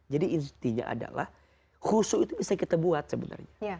jadi intinya adalah khusus itu bisa kita buat sebenarnya